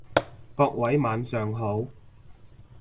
各位晚上好